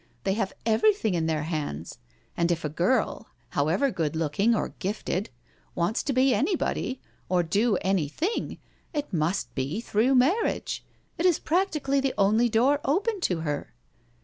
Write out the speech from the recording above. They have everything in their hands, and if a girl, however, good looking or gifted, wants to be anybody, or do anything, it must be through marriage. It is practi cally the only door open to her."